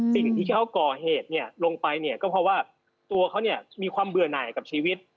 สิ่งที่เขาก่อเหตุเนี่ยลงไปเนี่ยก็เพราะว่าตัวเขาเนี่ยมีความเบื่อหน่ายกับชีวิต